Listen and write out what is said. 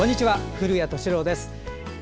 古谷敏郎です。